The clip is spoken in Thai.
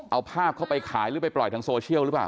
เอาภาพเขาไปขายหรือไปปล่อยทางโซเชียลหรือเปล่า